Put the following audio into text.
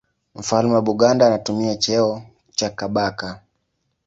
Mfalme wa Buganda anatumia cheo cha Kabaka.